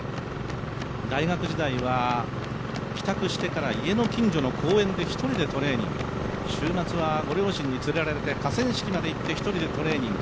大学時代は帰宅してから家の近所の公園で一人でトレーニング、週末はご両親に連れられて河川敷まで行って一人でトレーニング。